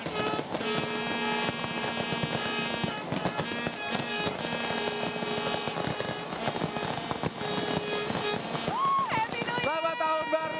selamat tahun baru